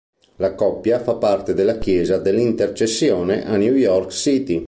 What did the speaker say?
La coppia fa parte della Chiesa dell'Intercessione a New York City.